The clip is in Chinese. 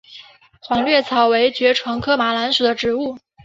黄猄草为爵床科马蓝属的植物。